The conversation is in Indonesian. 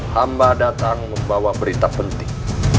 hamba datang membawa berita penting